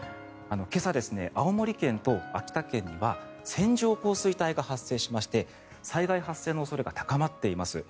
今朝、青森県と秋田県には線状降水帯が発生しまして災害発生の恐れが高まっています。